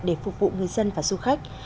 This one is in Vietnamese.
để phục vụ người dân và du khách